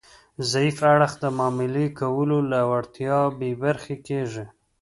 ضعیف اړخ د معاملې کولو له وړتیا بې برخې کیږي